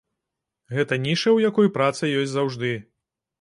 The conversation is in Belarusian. Гэта ніша, у якой праца ёсць заўжды.